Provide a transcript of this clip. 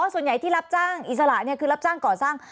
ส่วนใหญ่ที่รับจ้างอิสระคือรับจ้างก่อสร้าง